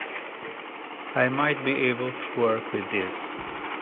I might be able to work with this.